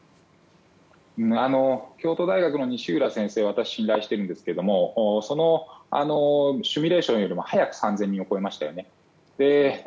京都大学の西浦先生を私は信頼してるんですけどそのシミュレーションより早く３０００人を超えましたよね。